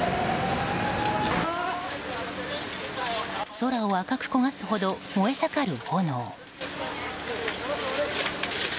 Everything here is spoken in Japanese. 空を赤く焦がすほど燃え盛る炎。